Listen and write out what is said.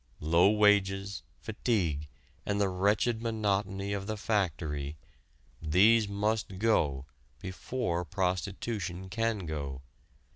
Low wages, fatigue, and the wretched monotony of the factory these must go before prostitution can go.